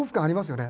あります